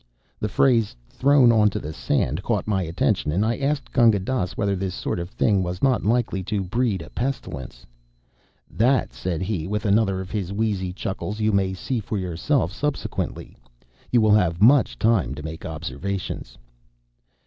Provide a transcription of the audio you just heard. The phrase "thrown on to the sand" caught my attention, and I asked Gunga Dass whether this sort of thing was not likely to breed a pestilence. "That," said he with another of his wheezy chuckles, "you may see for yourself subsequently. You will have much time to make observations."